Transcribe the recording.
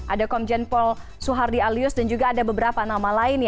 ada komjen paul soehardi alyus dan juga ada beberapa nama lain